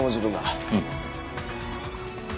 うん。